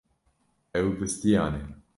Ew bizdiyane.